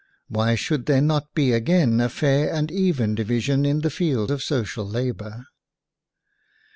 Why should there not be again a fair and even division in the field of social labor?"